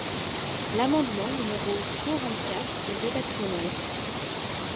L’amendement numéro cent vingt-quatre est rédactionnel.